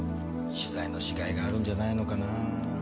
取材のしがいがあるんじゃないのかなぁ。